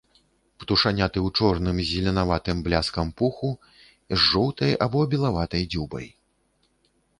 Птушаняты ў чорным з зеленаватым бляскам пуху, з жоўтай або белаватай дзюбай.